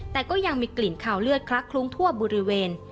แต่ก็ยังมีกลิ่นคาวเลือดคลักคลุ้งทั่วบริเวณ